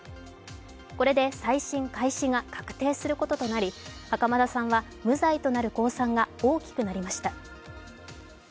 これで再審開始が確定することとなり、袴田さんは無罪となる公算が大きくなりました。